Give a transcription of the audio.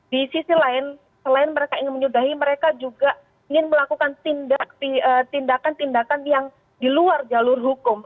di sisi lain selain mereka ingin menyudahi mereka juga ingin melakukan tindakan tindakan yang di luar jalur hukum